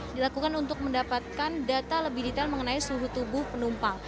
dilakukan untuk mendapatkan data lebih detail mengenai suhu tubuh penumpang